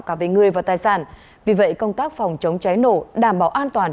cả về người và tài sản vì vậy công tác phòng chống cháy nổ đảm bảo an toàn